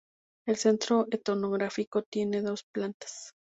El centro etnográfico tiene dos plantas.